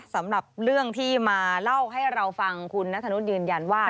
สำหรับเรื่องที่มาเล่าให้เราฟังคุณนัทธนุษย์ยืนยันว่า